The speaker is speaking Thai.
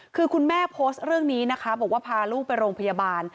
คือคุณแม่โพสต์เรื่องนี้นะคะบอกว่าพาลูกไปโรงพยาบาล